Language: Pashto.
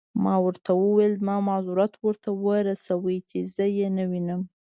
ما ورته وویل: زما معذرت ورته ورسوئ، چې زه يې نه وینم.